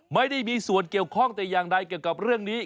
ไม่ได้มีส่วนเกี่ยวข้องแต่อย่างใดเกี่ยวกับเรื่องนี้